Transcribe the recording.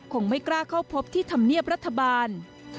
ไม่กล้าเข้าพบที่ธรรมเนียบรัฐบาล